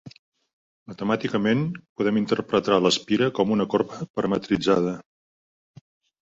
Matemàticament, podem interpretar l'espira com una corba parametritzada.